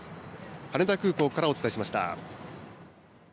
羽田空港からお伝えしました。